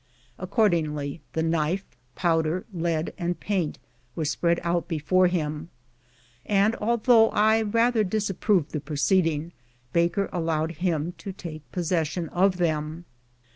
According!}^, the knife, powder, lead, and paint were spread out before him ; and, although I rather disapproved the proceeding. Baker allowed him to take possession of them.